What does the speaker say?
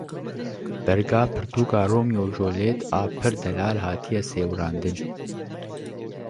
Berga pirtûka Romeo û Julîet a pir delal hatiye sêwirandin.